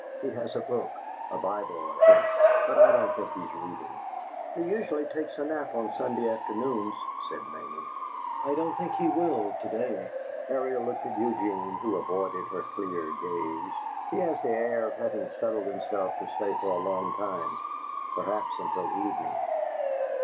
He has a book a Bible, I think but I don't think he is reading." "He usually takes a nap on Sunday afternoons," said Mamie. "I don't think he will, to day." Ariel looked at Eugene, who avoided her clear gaze. "He has the air of having settled himself to stay for a long time, perhaps until evening."